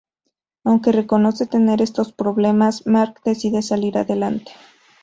Aunque reconoce tener estos problemas, Mark decide salir adelante.